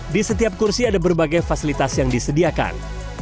di setiap kursi ada berbagai fasilitas yang disediakan